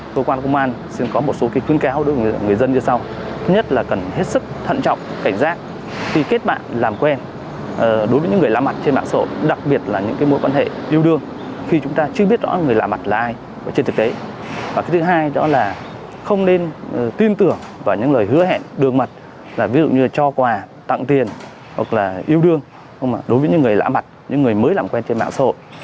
cho quà tặng tiền yêu đương đối với những người lã mặt những người mới làm quen trên mạng sổ